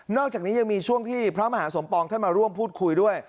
อกจากนี้ยังมีช่วงที่พระมหาสมปองท่านมาร่วมพูดคุยด้วย